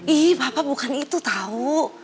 ih papa bukan itu tau